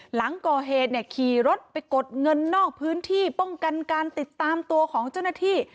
หลังก่อเหตุเนี่ยขี่รถไปกดเงินนอกพื้นที่ป้องกันการติดตามตัวของเจ้าหน้าที่